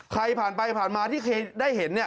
ใครผ่านไปผ่านมาที่เคยได้เห็นเนี่ย